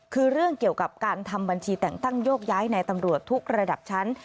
คือเรื่องเกี่ยวกับการทำบัญชีแต่งตั้งโยกย้ายในตำรวจทุกระดับชั้น